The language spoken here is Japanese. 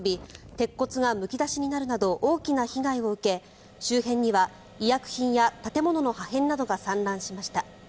鉄骨がむき出しになるなど大きな被害を受け周辺には医薬品や建物の破片などが散乱しました。